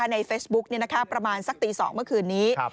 ในเฟซบุ๊กประมาณสักตี๒เมื่อคืนนี้